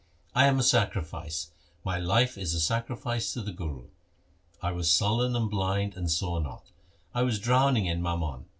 I am a sacrifice, my life is a sacrifice to the Guru. I was sullen, and blind, and saw not ; I was drowning in mammon.